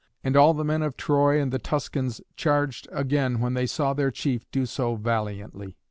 And all the men of Troy and the Tuscans charged again when they saw their chief do so valiantly.